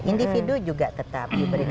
individu juga tetap diberikan